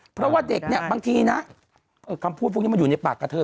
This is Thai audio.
เพราะว่าเด็กเนี่ยบางทีนะคำพูดพวกนี้มันอยู่ในปากกับเธอ